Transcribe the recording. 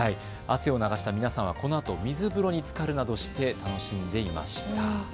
汗を流した皆さんはこのあと水風呂につかるなどして楽しんでいました。